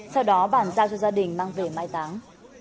sau đó bàn giao cho gia đình mang về mai táng